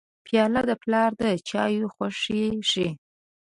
پیاله د پلار د چایو خوښي ښيي.